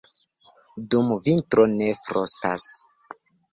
Dum vintro ne frostas.